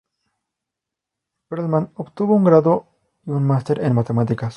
Perlman obtuvo un grado y un master en matemáticas.